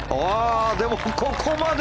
でも、ここまで！